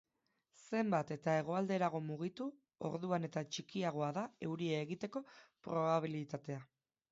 Zenbat eta hegoalderago mugitu, orduan eta txikiagoa da euria egiteko probabilitatea.